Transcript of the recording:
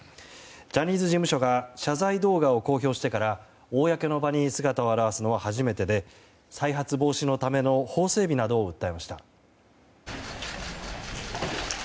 ジャニーズ事務所が謝罪動画を公表してから公の場に姿を現すのは初めてで再発防止のための法整備などを訴えました。